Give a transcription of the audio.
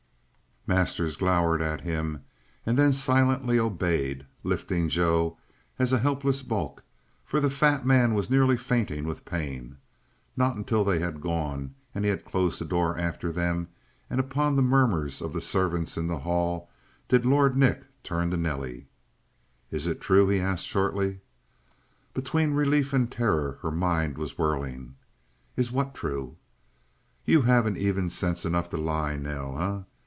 Masters glowered at him, and then silently obeyed, lifting Joe as a helpless bulk, for the fat man was nearly fainting with pain. Not until they had gone and he had closed the door after them and upon the murmurs of the servants in the hall did Lord Nick turn to Nelly. "Is it true?" he asked shortly. Between relief and terror her mind was whirling. "Is what true?" "You haven't even sense enough to lie, Nell, eh?